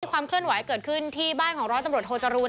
ความเคลื่อนไหวเกิดขึ้นที่บ้านของร้อยตำรวจโทจรูล